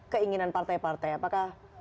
keinginan partai partai apakah